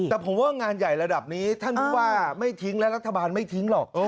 แต่ผมว่างานใหญ่ระดับนี้ท่านพูดว่าไม่ทิ้งและรัฐบาลไม่ทิ้งหรอก